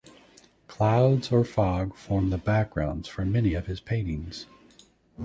Clouds or fog form the backgrounds for many of his paintings.